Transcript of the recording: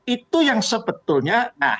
itu yang sebetulnya